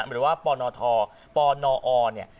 หรือว่าปนทปนอเนี่ย